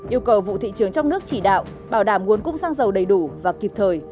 yêu cầu vụ thị trường trong nước chỉ đạo bảo đảm nguồn cung xăng dầu đầy đủ và kịp thời